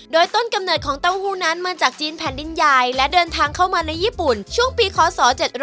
โดยต้นกำเนิดของเต้าหู้นั้นมาจากจีนแผ่นดินใหญ่และเดินทางเข้ามาในญี่ปุ่นช่วงปีคศ๗๕